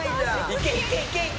いけいけいけいけ！